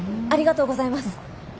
ありがとうございます。